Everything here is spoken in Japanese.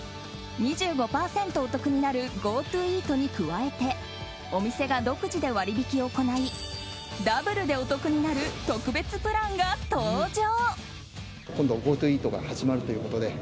２５％お得になるＧｏＴｏイートに加えてお店が独自で割引を行いダブルでお得になる特別プランが登場。